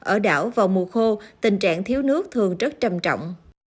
ở đảo vào mùa khô tình trạng thiếu nước thường rất trầm trọng